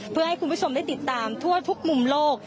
เพื่อให้คุณผู้ชมได้ติดตามทั่วทุกมุมโลก